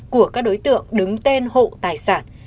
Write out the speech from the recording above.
của các đối tượng đứng tên hộ tài sản